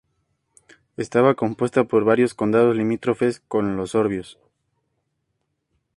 Estaba compuesta por varios condados limítrofes con los sorbios.